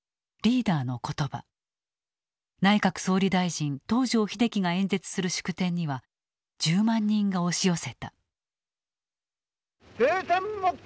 内閣総理大臣東條英機が演説する祝典には１０万人が押し寄せた。